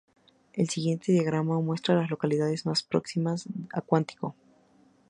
El siguiente diagrama muestra las localidades más próximas a Quantico.